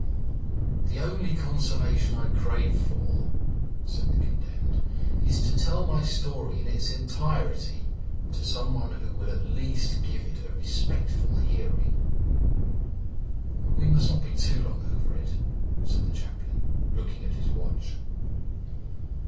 "The only consolation I crave for," said the condemned, "is to tell my story in its entirety to some one who will at least give it a respectful hearing." "We must not be too long over it," said the Chaplain, looking at his watch.